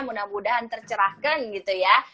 mudah mudahan tercerahkan gitu ya